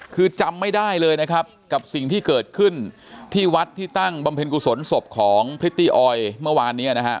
คือจำไม่ได้เลยนะครับกับสิ่งที่เกิดขึ้นที่วัดที่ตั้งบำเพ็ญกุศลศพของพริตตี้ออยเมื่อวานนี้นะฮะ